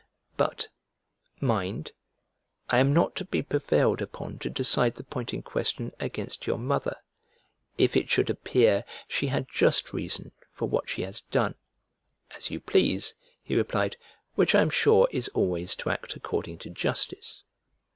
But, mind, I am not to be prevailed upon to decide the point in question against your mother, if it should appear she had just reason for what she has done." "As you please," he replied, "which I am sure is always to act according to justice."